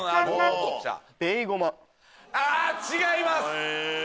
違います。